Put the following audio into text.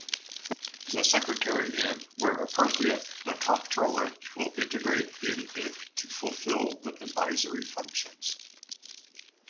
The secretary and, where appropriate, the comptroller, will integrate in it to fulfill the advisory functions.